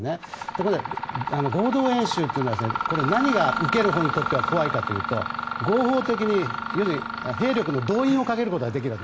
ところで、合同演習っていうのは何が受けるほうにとっては怖いかというと合法的に兵力の動員をかけることができる。